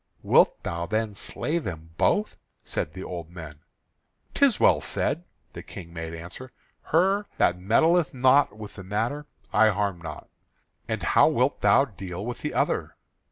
"Wilt thou then slay them both?" said the old men. "'Tis well said," the King made answer. "Her that meddled not with the matter I harm not." "And how wilt thou deal with the other?"